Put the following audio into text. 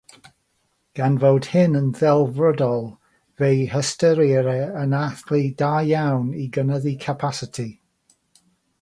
Gan fod hyn yn ddelfrydol, fe'i hystyrir yn allu da iawn i gynyddu capasiti.